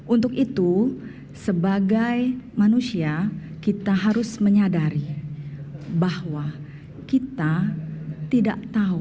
untuk itu sebagai manusia kita harus menyadari bahwa kita tidak tahu